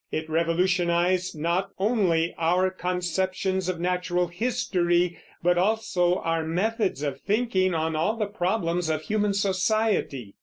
It revolutionized not only our conceptions of natural history, but also our methods of thinking on all the problems of human society.